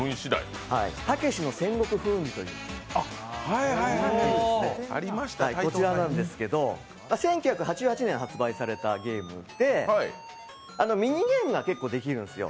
「たけしの戦国風雲児」というこちらなんですけど１９８８年に発売されたゲームでミニゲームが結構できるんですよ。